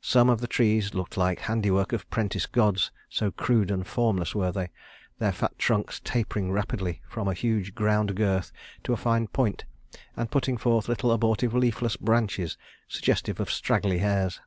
Some of the trees looked like the handiwork of prentice gods, so crude and formless were they, their fat trunks tapering rapidly from a huge ground girth to a fine point, and putting forth little abortive leafless branches suggestive of straggly hairs.